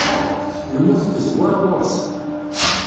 Lmut tezwar ɣur-s.